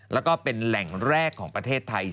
แล้วก็เป็นแหล่งแรกของประเทศไทย